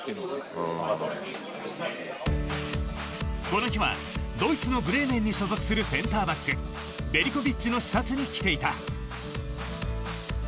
この日は、ドイツのブレーメンに所属するセンターバックヴェリコヴィッチの視察に来ていた。